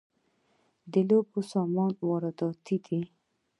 د لوبو سامان وارداتی دی؟